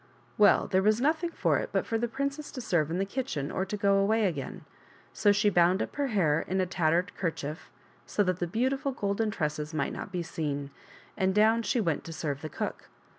Well, there was nothing for it but for the princess to serve in the kitchen or to go away again. So she bound up her hair in a tattered kerchief so that the beautiful golden tresses might not be seen, and down she went to serve the cook.